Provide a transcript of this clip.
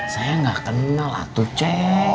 saya gak kenal atu ceng